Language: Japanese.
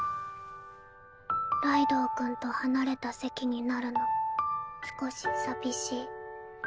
ライドウ君と離れた席になるの少し寂しい。